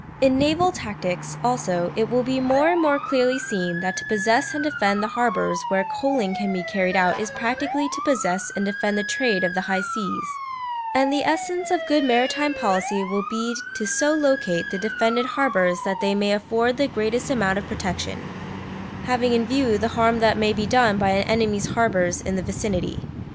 In naval tactics, also, it will be more and more clearly seen that to possess and defend the harbours where coaling can be carried out is practically to possess and defend the trade of the high seas; and the essence of good maritime policy will be to so locate the defended harbours that they may afford the greatest amount of protection, having in view the harm that may be done by an enemy's harbours in the vicinity.